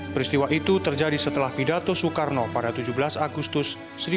peristiwa itu terjadi setelah pidato soekarno pada tujuh belas agustus seribu sembilan ratus empat puluh